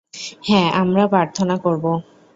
হ্যাঁ, আমরা প্রার্থনা করব।